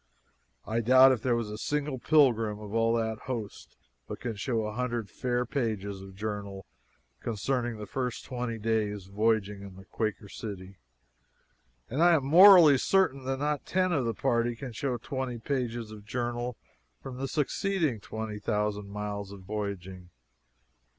I doubt if there is a single pilgrim of all that host but can show a hundred fair pages of journal concerning the first twenty days' voyaging in the __Quaker City__, and I am morally certain that not ten of the party can show twenty pages of journal for the succeeding twenty thousand miles of voyaging!